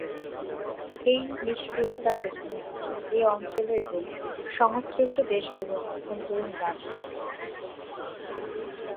এই নিস্পৃহতার পেছনে আছে এ অঞ্চলের এবং সংশ্লিষ্ট দেশগুলোর অভ্যন্তরীণ রাজনীতি।